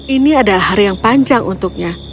ini adalah hari yang panjang untuknya